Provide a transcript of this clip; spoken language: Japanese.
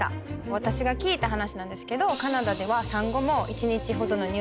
私が聞いた話なんですけどカナダでは。